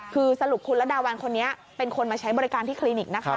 คือสรุปคุณระดาวันคนนี้เป็นคนมาใช้บริการที่คลินิกนะคะ